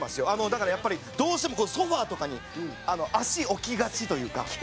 だからやっぱりどうしてもソファとかに足置きがちというか。